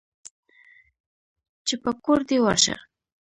چې په کور دى ورشه.